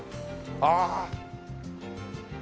ああ。